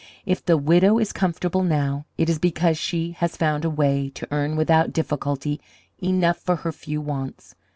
If the widow is comfortable now, it is because she has found a way to earn without difficulty enough for her few wants.